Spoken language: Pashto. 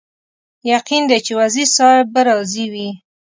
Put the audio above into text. یقین دی چې وزیر صاحب به راضي وي.